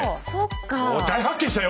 おっ大発見したよ！